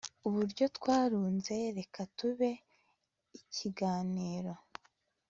Uburyo twarunze Reka tube ikiganiro